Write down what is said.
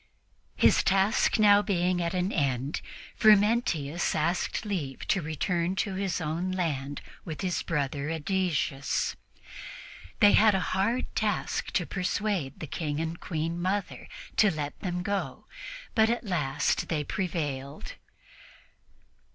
His task being now at an end, Frumentius asked leave to return to his own land with his brother Ædesius. They had a hard task to persuade the King and the Queen Mother to let them go, but at last they prevailed.